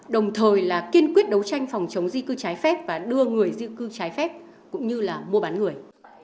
đồng thời là kiên quyết đấu tranh phòng chống di cư trái phép và đưa người di cư trái phép cũng như là mua bán người